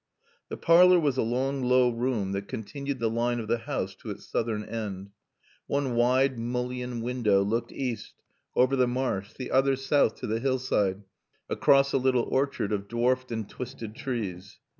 The parlor was a long low room that continued the line of the house to its southern end. One wide mullioned window looked east over the marsh, the other south to the hillside across a little orchard of dwarfed and twisted trees.